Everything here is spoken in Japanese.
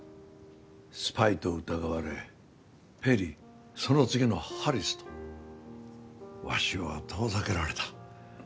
スパイと疑われペリー、その次のハリスとわしは遠ざけられた。